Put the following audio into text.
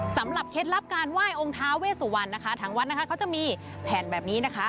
เคล็ดลับการไหว้องค์ท้าเวสวรรณนะคะทางวัดนะคะเขาจะมีแผ่นแบบนี้นะคะ